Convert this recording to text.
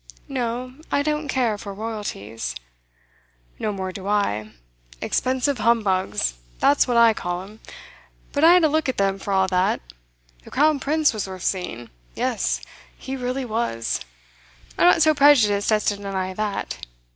'No. I don't care for Royalties.' 'No more do I. Expensive humbugs, that's what I call 'em. But I had a look at them, for all that. The Crown Prince was worth seeing; yes, he really was. I'm not so prejudiced as to deny that.